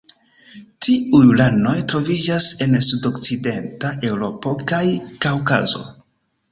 Tiuj ranoj troviĝas en sudokcidenta Eŭropo kaj Kaŭkazo.